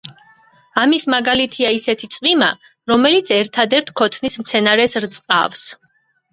ამის მაგალითია ისეთი წვიმა, რომელიც ერთადერთ ქოთნის მცენარეს რწყავს.